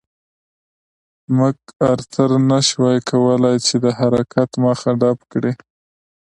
مک ارتر نه شوای کولای چې د حرکت مخه ډپ کړي.